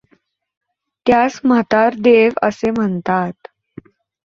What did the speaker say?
त्यास म्हातारदेव असें म्हणतात.